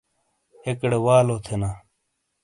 ایکیڑے والو تھینا۔